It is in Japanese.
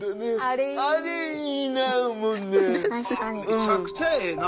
むちゃくちゃええな。